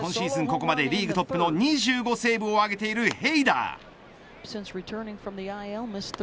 ここまでリーグトップの２５セーブを挙げているヘイダー。